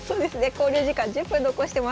考慮時間１０分残してます。